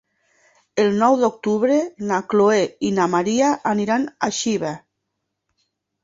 El nou d'octubre na Chloé i na Maria aniran a Xiva.